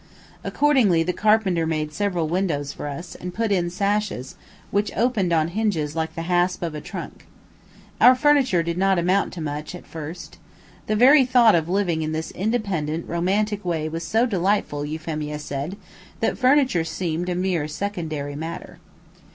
Accordingly, the carpenter made several windows for us, and put in sashes, which opened on hinges like the hasp of a trunk. Our furniture did not amount to much, at first. The very thought of living in this independent, romantic way was so delightful, Euphemia said, that furniture seemed a mere secondary matter.